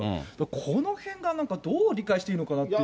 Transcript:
このへんがなんか、どう理解していいのかなっていう。